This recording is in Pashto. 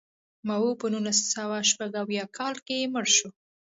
ماوو په نولس سوه شپږ اویا کال کې مړ شو.